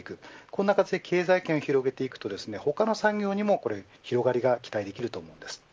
こんな形で経済圏を広げていくと他の産業にも広がりが期待できます。